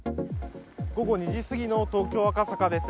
午後２時すぎの東京・赤坂です。